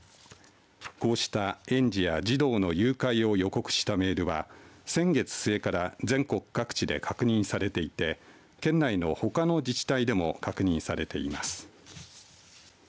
こうした園児や児童の誘拐を予告したメールは先月末から全国各地で確認されていて県内のほかの自治体でも確認されています。